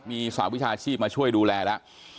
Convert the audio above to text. มีสาววิชาชีพมาช่วยดูแลนะ